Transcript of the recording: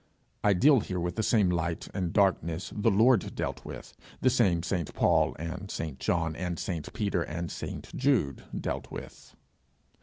I deal here with the same light and darkness the Lord dealt with, the same St. Paul and St. John and St. Peter and St. Jude dealt with.